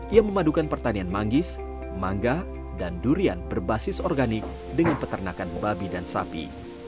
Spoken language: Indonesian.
ia memadukan pertanian manggis mangga dan durian berbasis organik dengan peternakan babi dan sapi